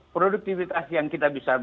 produktivitas yang kita bisa